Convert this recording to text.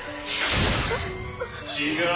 ・違う。